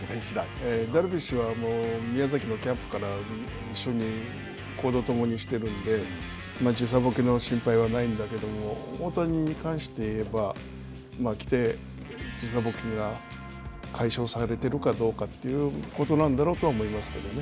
ダルビッシュは、宮崎のキャンプから一緒に行動を共にしているんで、時差ぼけの心配はないんだけども、大谷に関して言えば、来て、時差ぼけが解消されているかどうかというところなんだろうと思いますけどね。